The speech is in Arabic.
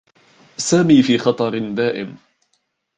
سامي في خطر دائم.